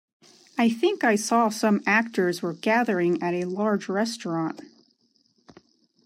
I think I saw some actors were gathering at a large restaurant.